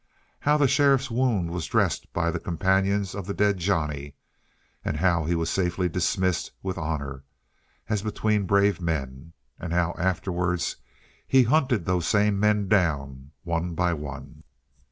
How the sheriff's wound was dressed by the companions of the dead Johnny, and how he was safely dismissed with honor, as between brave men, and how afterwards he hunted those same men down one by one.